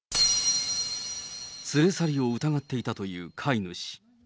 連れ去りを疑っていたという飼い主。